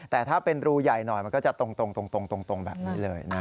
แต่ถ้าเป็นรูใหญ่หน่อยมันก็จะตรงแบบนี้เลยนะ